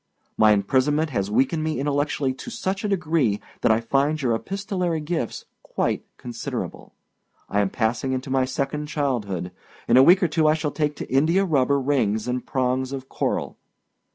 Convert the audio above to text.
My imprisonment has weakened me intellectually to such a degree that I find your epistolary gifts quite considerable. I am passing into my second childhood. In a week or two I shall take to India rubber rings and prongs of coral.